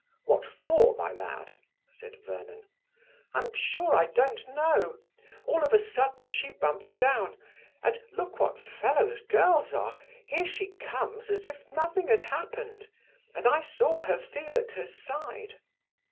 "What for, my lad?" said Vernon. "I'm sure I don't know. All of a sudden she bumped down. And, look what fellows girls are! here she comes as if nothing had happened, and I saw her feel at her side."